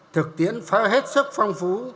thực tiến phá hết sức phong phú